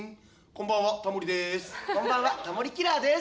こんばんはタモリキラーです。